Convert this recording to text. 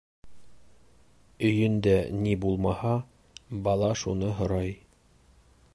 Өйөндә ни булмаһа, бала шуны һорай.